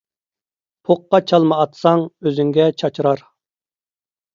پوققا چالما ئاتساڭ، ئۆزۈڭگە چاچرار.